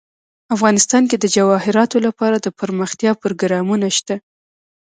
افغانستان کې د جواهرات لپاره دپرمختیا پروګرامونه شته.